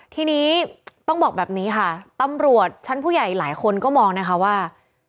ทีนี้ต้องบอกแบบนี้ค่ะตำรวจชั้นผู้ใหญ่หลายคนก็มองนะคะว่า